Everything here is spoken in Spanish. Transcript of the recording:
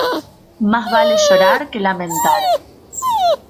Más vale llorar que lamentar.